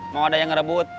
mau ada yang ngerebut